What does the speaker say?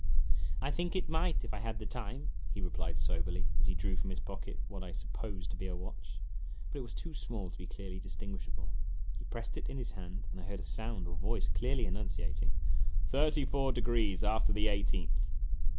" I think it might, if I had the time," he replied soberly, as he drew from his pocket what I supposed to be a watch ; but it was too small to be clearly distinguishable. He pressed it in his hand, and I heard a sound or voice clearly enunciating :" Thirty four degrees after the eighteenth."